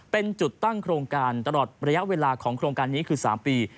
เป็นจุดตั้งโครงการตลอดระยะเวลาของโครงการนี้คือ๓ปี